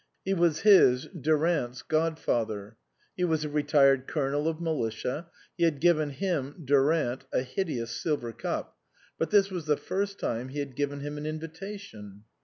He was his (Durant's) god father ; he was a retired Colonel of militia ; he had given him (Durant) a hideous silver cup ; but this was the first time he had given him an invi tation.